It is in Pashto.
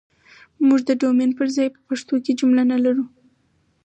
موږ ده ډومين پر ځاى په پښتو کې که جمله نه لرو